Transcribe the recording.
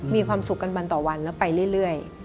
มีความสุขกันวันต่อวันแล้วไปเรื่อย